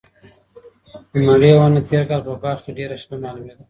د مڼې ونه تېر کال په باغ کې ډېره شنه معلومېدله.